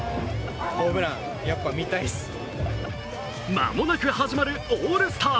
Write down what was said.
間もなく始まるオールスター。